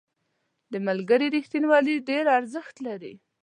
• د ملګري رښتینولي ډېر ارزښت لري.